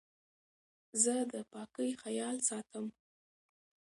زه د پاکۍ خیال ساتم.